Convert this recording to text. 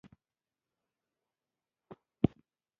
باد د زمانو شاهد دی